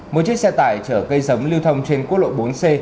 một chiếc xe tải chở cây giống lưu thông trên quốc lộ bốn c